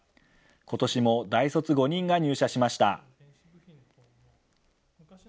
ことしも大卒５人が入社しました。